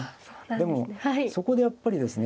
でもそこでやっぱりですね